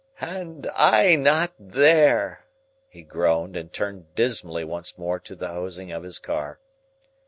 "And I not there!" he groaned, and turned dismally once more to the hosing of his car.